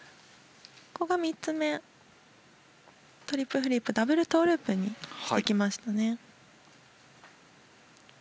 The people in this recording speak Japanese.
３つ目、トリプルフリップダブルトウループにしてきましたね。